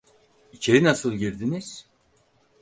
İçeri nasıl girdiniz?